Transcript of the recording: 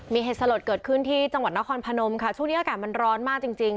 มีเหตุสลดเกิดขึ้นที่จังหวัดนครพนมค่ะช่วงนี้อากาศมันร้อนมากจริงจริง